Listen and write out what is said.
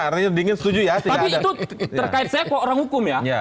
terkait saya kok orang hukum ya